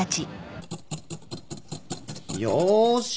よし。